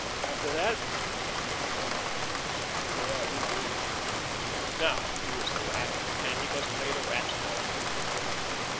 After that—well, after that, who knew? Now, he was the Rat, and he must play the Rat's part.